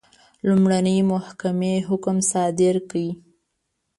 لومړنۍ محکمې حکم صادر کړ.